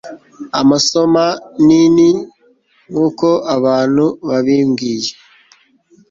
Amasomanini nkuko abantu babimbwiye